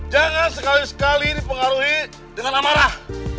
jangan sekali sekali dipengaruhi dengan amarah